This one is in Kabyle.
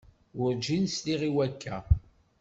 Werǧin sliɣ i wakka.